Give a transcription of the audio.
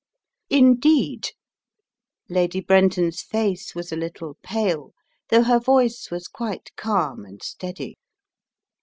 "Indeed?" Lady Brenton's face was a little pale, though her voice was quite calm and steady.